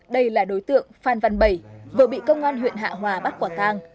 đây là đối tượng phan văn bảy vừa bị công an huyện hạ hòa bắt quả tang